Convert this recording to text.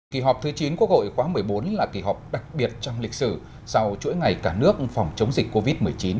kỳ họp thứ chín quốc hội khóa một mươi bốn là kỳ họp đặc biệt trong lịch sử sau chuỗi ngày cả nước phòng chống dịch covid một mươi chín